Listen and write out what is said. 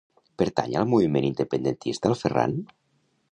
Pertany al moviment independentista el Ferran?